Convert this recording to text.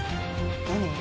何？